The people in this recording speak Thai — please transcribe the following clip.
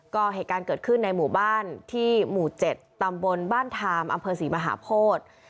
ก็เหตุการณ์เกิดขึ้นในหมู่บ้านที่หมู่๗ตำบลบ้านทามอำเภอศรีมหาโพธิ